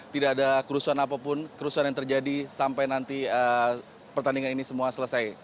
tidak ada kerusuhan apapun kerusuhan yang terjadi sampai nanti pertandingan ini semua selesai